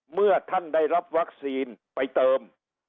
เมื่อท่านได้รับวัคซีนไปเติม